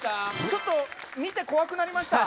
ちょっと見て怖くなりました